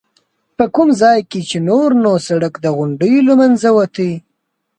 په کوم ځای کې چې نور نو سړک د غونډیو له منځه وتی.